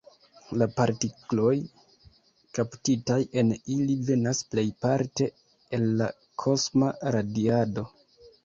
La partikloj kaptitaj en ili venas plejparte el la kosma radiado.